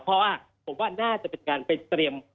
เพราะว่าผมว่าน่าจะเป็นการไปเตรียม